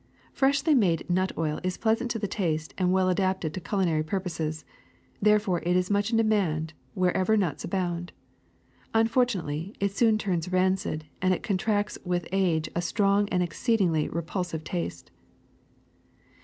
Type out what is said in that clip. Freshly made nut oil is pleasant to the taste and well adapted to culinar\^ purposes; Sesame therefore it is much in demand wherever nuts abound. Unfortunately, it soon turns rancid and it contracts with age a strong and exceedingly repul sive taste.